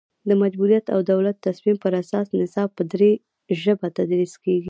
د مجبوریت او د دولت تصمیم پر اساس نصاب په دري ژبه تدریس کیږي